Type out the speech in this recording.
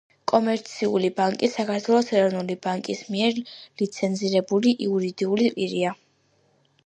კომერციული ბანკი საქართველოს ეროვნული ბანკის მიერ ლიცენზირებული იურიდიული პირია.